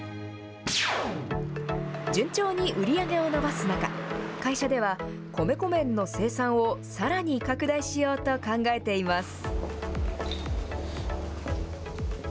順調に売り上げを伸ばす中、会社では、米粉麺の生産をさらに拡大しようと考えています。